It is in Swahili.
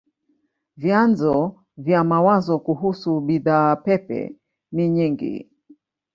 Vyanzo vya mawazo kuhusu bidhaa pepe ni nyingi.